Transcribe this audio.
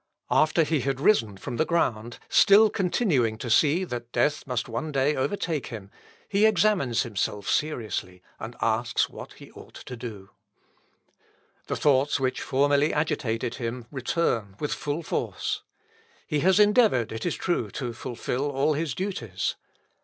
After he had risen from the ground, still continuing to see that death which must one day overtake him, he examines himself seriously, and asks what he ought to do. The thoughts which formerly agitated him return with full force. He has endeavoured, it is true, to fulfil all his duties.